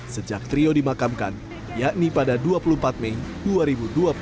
sejak trio dimakamkan yakni pada dua puluh empat mei dua ribu dua puluh